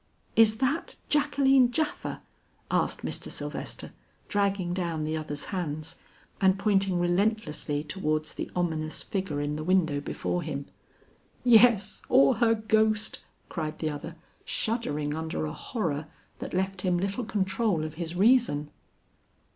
"Is that Jacqueline Japha?" asked Mr. Sylvester, dragging down the other's hands and pointing relentlessly towards the ominous figure in the window before him. "Yes, or her ghost," cried the other, shuddering under a horror that left him little control of his reason.